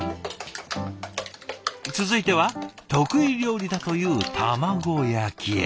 続いては得意料理だという卵焼き。